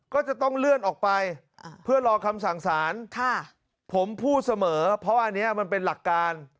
ก็จะต้องเลื่อนออกไปเพื่อรอคำสั่งสารผมพูดเสมอเพราะอันนี้มันเป็นหลักการ